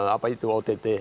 apa itu ott